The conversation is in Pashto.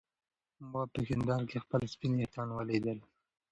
ما په هېنداره کې خپل سپین ويښتان ولیدل.